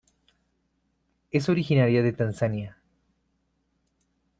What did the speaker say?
Es originaria de Tanzania.